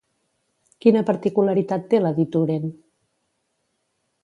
Quina particularitat té la d'Ituren?